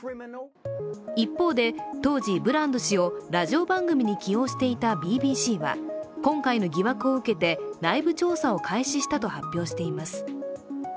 一方で、当時ブランド氏をラジオ番組に起用していたＢＢＣは今回の疑惑を受けて内部調査を開始したと発表しています。